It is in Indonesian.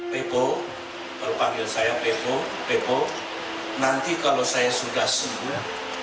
peko berpanggil saya peko peko nanti kalau saya sudah sempat